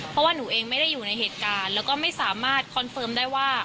เพราะว่าหนูเองไม่ได้อยู่ในเหตุการณ์แล้วก็ไม่สามารถคอนเฟิร์มได้ว่า